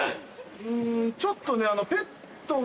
うんちょっとね。